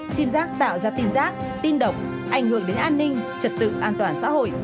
sim giác tạo ra tin rác tin độc ảnh hưởng đến an ninh trật tự an toàn xã hội